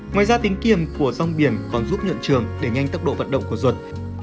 ngoài ra tính kiềm của rong biển còn giúp nhuận trường để nhanh tốc độ vận động của duật